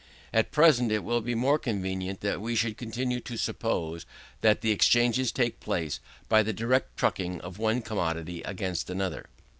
At present it will be more convenient that we should continue to suppose, that exchanges take place by the direct trucking of one commodity against another.